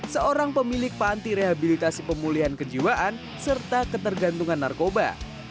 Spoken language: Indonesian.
seorang pemilik panti rehabilitasi pemulihan kejiwaan serta ketergantungan narkoba